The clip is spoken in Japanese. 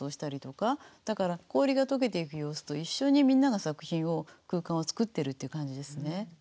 だから氷が解けていく様子と一緒にみんなが作品を空間を作ってるっていう感じですね。